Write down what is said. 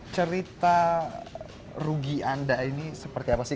cerita rugi anda ini seperti apa sih